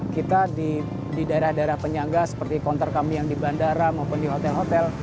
kita di daerah daerah penyangga seperti konter kami yang di bandara maupun di hotel hotel